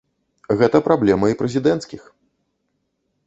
Гэта праблема і прэзідэнцкіх.